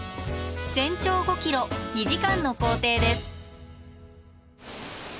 全長５ｋｍ２時間の行程です。